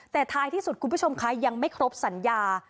แต่ท้ายที่สุดคุณผู้ชมคะยังไม่ครบสัญญา